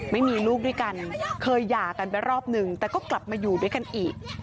ไม่มีลูกด้วยกันเคยหย่ากันไปรอบหนึ่งแต่ก็กลับมาอยู่ด้วยกันอีก